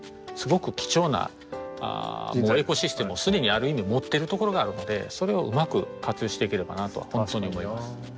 すごく貴重なエコシステムを既にある意味持ってるところがあるのでそれをうまく活用していければなと本当に思います。